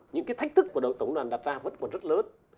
những cái thách thức của tổng liên hoàn đặt ra vẫn còn rất lớn